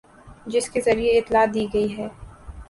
جس کے ذریعے اطلاع دی گئی ہے